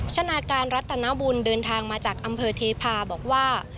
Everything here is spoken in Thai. ชนะการรัตนบุญเดินทางมาจากอำเภอเทพาบอกว่า